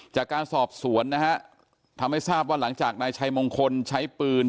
จากการสอบสวนนะฮะทำให้ทราบว่าหลังจากนายชัยมงคลใช้ปืน